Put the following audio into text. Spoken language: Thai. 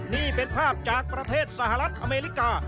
นี่เป็นภาพจากประเทศสหรัฐอเมริกา